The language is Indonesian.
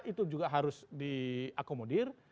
itu juga harus diakomodir